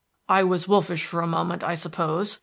"I was wolfish for a moment, I suppose.